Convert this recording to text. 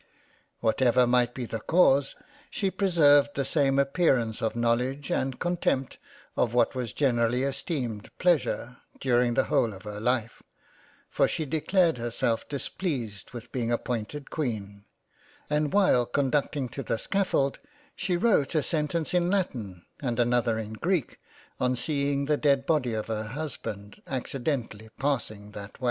Whatever might be the cause, she preserved the same appearance of knowledge, and contempt of what was generally esteemed pleasure, during the whole of her life, for she declared herself displeased with being appointed Queen, and while conducting to the scaffold, she wrote a sentence in Latin and another in Greek on seeing the dead Body of her Husband accidentally passing that way.